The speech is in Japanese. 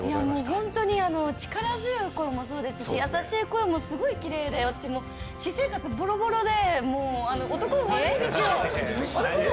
本当に力強い声もそうですし、優しい声もすごいきれいで、私、私生活ボロボロで、もう、男運、悪いんですよ。